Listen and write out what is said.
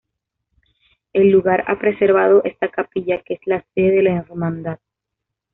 El lugar ha preservado esta capilla, que es la sede de la hermandad.